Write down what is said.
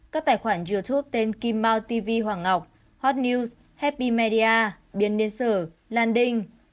các tài khoản youtube tên kim mau tv hoàng ngọc hot news happy media biến niên sử lan đinh